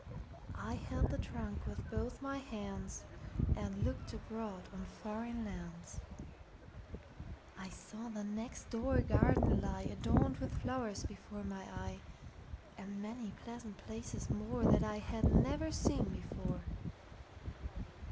I held the trunk with both my handsAnd looked abroad on foreign lands.I saw the next door garden lie, Adorned with flowers, before my eye, And many pleasant places moreThat I had never seen before.